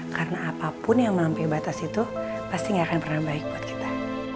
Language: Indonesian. karena apapun yang melampaui batas itu pasti gak akan pernah baik buat kita